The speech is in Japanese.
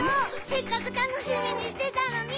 せっかくたのしみにしてたのに！